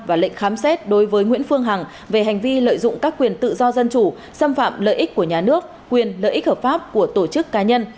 và lệnh khám xét đối với nguyễn phương hằng về hành vi lợi dụng các quyền tự do dân chủ xâm phạm lợi ích của nhà nước quyền lợi ích hợp pháp của tổ chức cá nhân